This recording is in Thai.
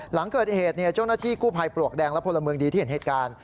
หลังเกิดเหตุเนี่ยเจ้านักที่คู่พายปลวกดังและพลเมืองดีที่เห็นเหตุกาล